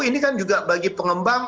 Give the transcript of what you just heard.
ini kan juga bagi pengembang